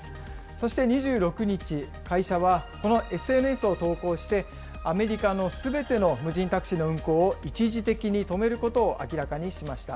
そして２６日、会社はこのＳＮＳを投稿して、アメリカのすべての無人タクシーの運行を一時的に止めることを明らかにしました。